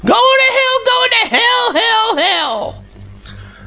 Goin' to hell! Goin' to hell, hell, hell!"